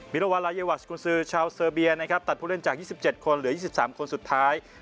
ระหว่างลายวัชกุญซือชาวเซอร์เบียนะครับตัดผู้เล่นจาก๒๗คนเหลือ๒๓คนสุดท้าย